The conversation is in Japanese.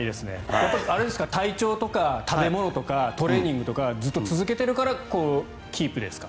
やっぱり体調とか食べ物とかトレーニングとかずっと続けているからキープですか？